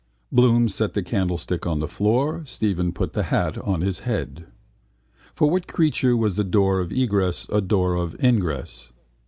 Bloom set the candlestick on the floor. Stephen put the hat on his head. For what creature was the door of egress a door of ingress?